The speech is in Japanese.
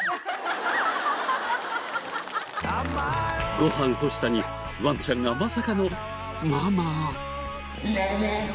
ご飯欲しさにワンちゃんがまさかの「ママ」。